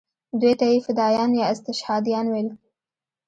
دوی ته یې فدایان یا استشهادیان ویل.